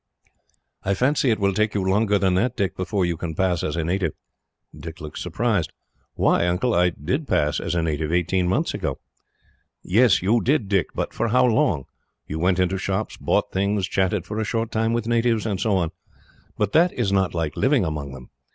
"I fancy it will take you longer than that, Dick, before you can pass as a native." Dick looked surprised. "Why, Uncle, I did pass as a native, eighteen months ago." "Yes, you did, Dick; but for how long? You went into shops, bought things, chatted for a short time with natives, and so on; but that is not like living among them.